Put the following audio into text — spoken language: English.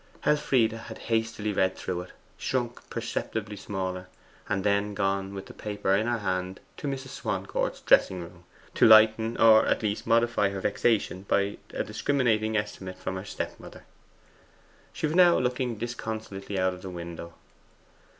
Elfride had hastily read it through, shrunk perceptibly smaller, and had then gone with the paper in her hand to Mrs. Swancourt's dressing room, to lighten or at least modify her vexation by a discriminating estimate from her stepmother. She was now looking disconsolately out of the window.